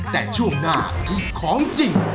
แต่ช่วงหน้ามีของจริง